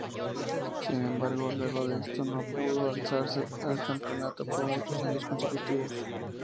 Sin embargo luego de esto no pudo alzarse al campeonato por muchos años consecutivos.